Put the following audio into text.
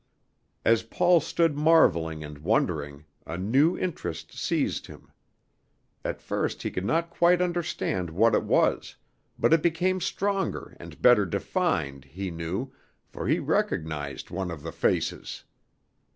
As Paul stood marveling and wondering, a new interest seized him. At first he could not quite understand what it was, but it became stronger and better defined, he knew, for he recognized one of the faces.